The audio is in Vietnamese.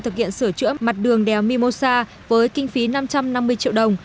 thực hiện sửa chữa mặt đường đèo mimosa với kinh phí năm trăm năm mươi triệu đồng